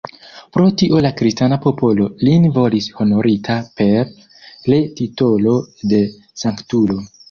Pro tio la kristana popolo lin volis honorita per le titolo de Sanktulo.